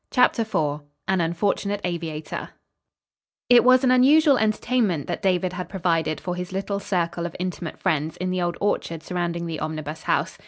CHAPTER IV AN UNFORTUNATE AVIATOR It was an unusual entertainment that David had provided for his little circle of intimate friends in the old orchard surrounding the Omnibus House.